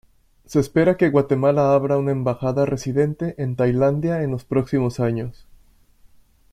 Se espera que Guatemala abra una embajada residente en Tailandia en los próximos años.